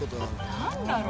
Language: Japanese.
何だろう